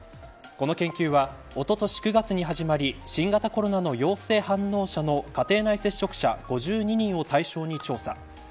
この研究はおととし９月に始まり新型コロナの陽性反応者の家庭内接触者５２人を対象に調査。